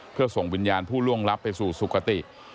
เพื่อส่งวิญญาณผู้ล่วงลับไปสู่สุขติ